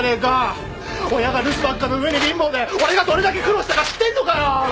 親が留守ばっかの上に貧乏で俺がどれだけ苦労したか知ってんのかよ！